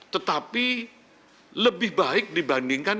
tetapi lebih baik dibandingkan